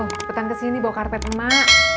kepetan kesini bawa kartet mak